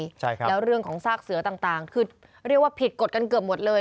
ใช่ครับแล้วเรื่องของซากเสือต่างคือเรียกว่าผิดกฎกันเกือบหมดเลย